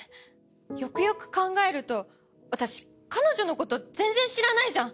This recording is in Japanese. よくよく考えると私彼女のこと全然知らないじゃん！